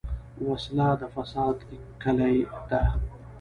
وسله د فساد کلي ده